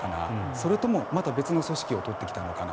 それともまた別の組織を取ってきたのかな。